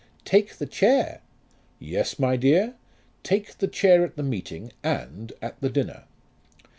"Take the chair!" "Yes, my dear, take the chair at the meeting and at the dinner."